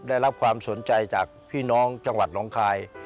ได้รับความสนใจจากพี่น้องจังหวัดน้องคาย